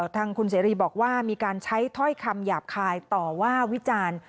ทางคุณเสรีบอกว่ามีการใช้ถ้อยคำหยาบคายต่อว่าวิจารณ์